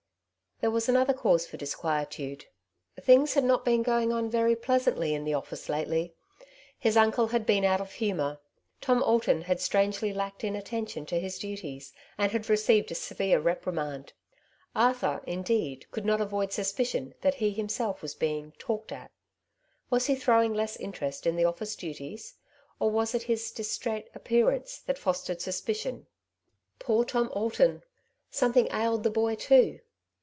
There was another cause for disquietude. Things had not been going on very pleasantly in the office 128 " Two Sides to every Question ^ lately. His uncle had been out of humour. Tom Alton had strangely lacked in attention to his duties^ and had received a severe reprimand. Arthur, indeed, could not avoid suspicion, that he himself was being " talked at.'^ Was he throwing less interest in the office duties ? or was it his distrait appearance that fostered suspicion ? Poor Tom Alton ! something ailed the boy too.